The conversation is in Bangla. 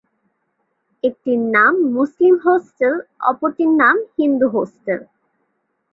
একটির নাম মুসলিম হোস্টেল, অপরটির নাম হিন্দু হোস্টেল।